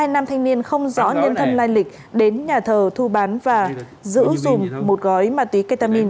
hai nam thanh niên không rõ nhân thân lai lịch đến nhà thờ thu bán và giữ dùng một gói ma túy ketamin